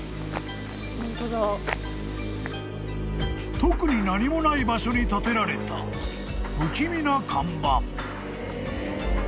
［特に何もない場所に立てられた不気味な看板］